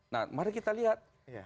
nah mari kita lihat